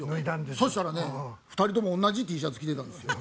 そしたらね２人ともおんなじＴシャツ着てたんですよ。